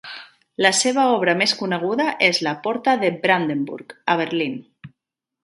La seva obra més coneguda és la Porta de Brandenburg a Berlín.